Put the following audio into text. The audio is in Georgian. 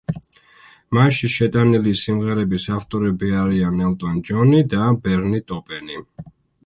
მასში შეტანილი სიმღერების ავტორები არიან ელტონ ჯონი და ბერნი ტოპენი.